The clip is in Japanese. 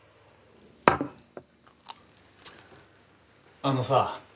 あのさ。